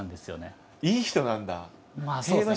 いい人なんだ。